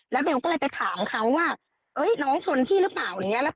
แล้วเบลก็เลยไปถามเขาว่าน้องชนพี่หรือเปล่าอะไรอย่างนี้